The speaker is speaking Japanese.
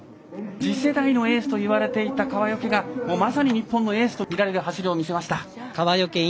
次世代のエースといわれていた川除がまさに日本のエースとみられる走りを見せました。